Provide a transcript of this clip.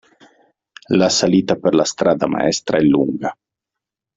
La salita per la strada maestra è lunga.